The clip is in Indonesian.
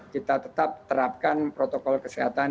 kita tetap terapkan protokol kesehatan